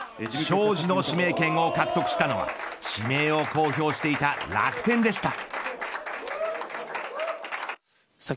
荘司の指名権を獲得したのは指名を公表していた楽天でした。